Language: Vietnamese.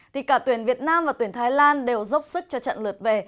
thì cả tuyển việt nam và tuyển thái lan đều dốc sức cho trận lượt về